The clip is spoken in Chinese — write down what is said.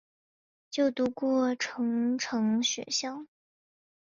就读过成城学校。